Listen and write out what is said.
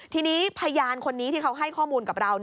ทีนี้พยานคนนี้ที่เขาให้ข้อมูลกับเรา